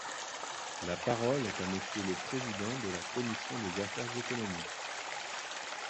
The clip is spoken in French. La parole est à Monsieur le président de la commission des affaires économiques.